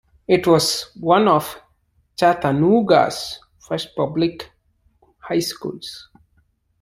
It was one of Chattanooga's first public high schools.